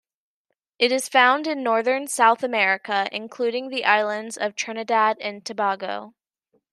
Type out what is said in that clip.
It is found in northern South America, including the islands of Trinidad and Tobago.